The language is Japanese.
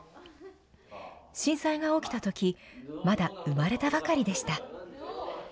震災が起きたとき、まだ生まれたばかりでした。